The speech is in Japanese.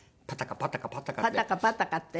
「パタカパタカパタカ」って。